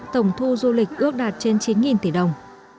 tổng thu du lịch ước đạt trên chín tỷ đồng